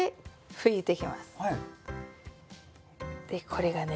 これがね